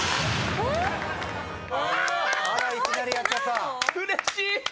うれしい！